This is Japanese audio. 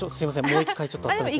もう一回ちょっとあっためて。